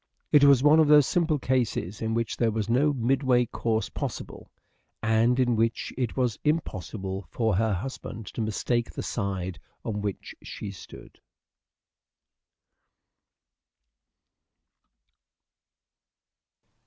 It was one of those simple cases in which there was no midway course possible, and in which it was impossible for her husband to mistake the side on which she stood.